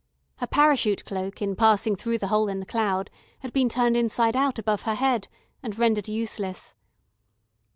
Her parachute cloak, in passing through the hole in the cloud, had been turned inside out above her head, and rendered useless.